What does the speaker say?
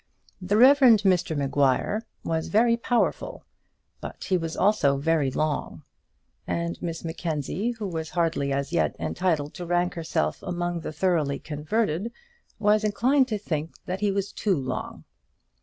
The Rev. Mr Maguire was very powerful, but he was also very long; and Miss Mackenzie, who was hardly as yet entitled to rank herself among the thoroughly converted, was inclined to think that he was too long.